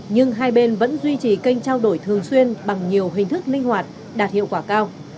nhưng hai bên vẫn duy trì kênh trao đổi thường xuyên bằng nhiều hình thức linh hoạt đạt hiệu quả cao